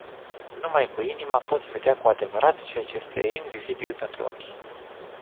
Numai cu inima poți vedea cu adevărat ceea ce este invizibil pentru ochi.